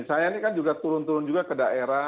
saya ini kan juga turun turun juga ke daerah